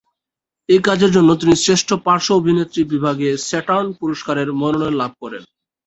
এই কাজের জন্য তিনি শ্রেষ্ঠ পার্শ্ব অভিনেত্রী বিভাগে স্যাটার্ন পুরস্কারের মনোনয়ন লাভ করেন।